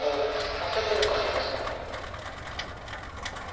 させてるかも私なんか。